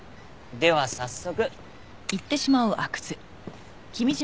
では早速。